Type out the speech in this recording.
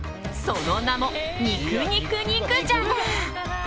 その名も、肉肉肉ジャガ！。